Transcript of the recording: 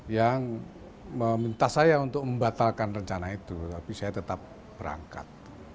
yang meminta saya untuk membatalkan rencana itu tapi saya tetap berangkat